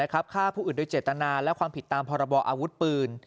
ฆ่าผู้อื่นโดยเจตนาและความผิดตามพรบออาวุธปืน